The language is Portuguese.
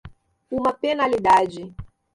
Uma penalidade.